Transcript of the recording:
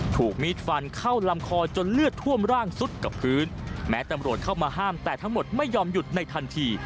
ถูกมีดฟันเข้าลำคอจนเลือดท่วมร่างสุดกับพื้นแม้ตำรวจเข้ามาห้ามแต่ทั้งหมดไม่ยอมหยุดในทันที